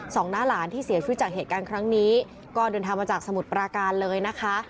น้าหลานที่เสียชีวิตจากเหตุการณ์ครั้งนี้ก็เดินทางมาจากสมุทรปราการเลยนะคะ